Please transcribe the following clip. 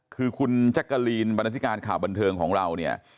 คือคุณจักรีนบรรทิการข่าวบันเทิงของเรา